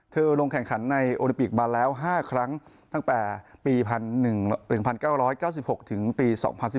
ลงแข่งขันในโอลิมปิกมาแล้ว๕ครั้งตั้งแต่ปี๑๙๙๖ถึงปี๒๐๑๙